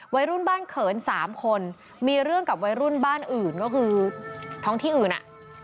วัยรุ่นบ้านเขินสามคนมีเรื่องกับวัยรุ่นบ้านอื่นก็คือท้องที่อื่นอ่ะ